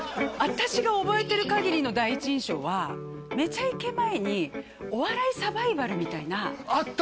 私が覚えてるかぎりの第一印象はめちゃイケ前にお笑いサバイバルみたいなあった！